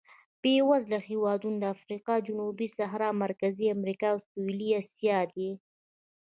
بېوزله هېوادونه د افریقا جنوبي صحرا، مرکزي امریکا او سوېلي اسیا دي.